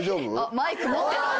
マイク持ってる。